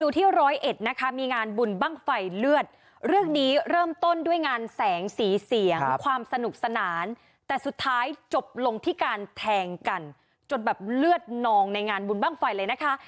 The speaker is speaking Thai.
ที่ร้อยเอ็ดนะคะมีงานบุญบ้างไฟเลือดเรื่องนี้เริ่มต้นด้วยงานแสงสีเสียงความสนุกสนานแต่สุดท้ายจบลงที่การแทงกันจนแบบเลือดนองในงานบุญบ้างไฟเลยนะคะ